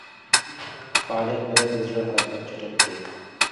فعالیت باید د زړه حرکت چټک کړي.